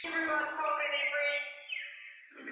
فقهاء د مطلقې د تعين پر شرط باندي متفق دي.